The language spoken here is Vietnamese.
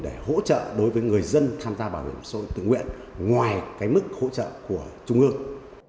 để hỗ trợ đối với người dân tham gia bảo hiểm xã hội tự nguyện ngoài mức hỗ trợ của trung ương